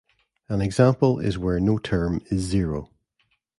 An example is where no term is zero.